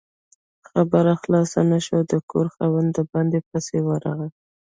خبره خلاصه نه شوه، د کور خاوند د باندې پسې ورغی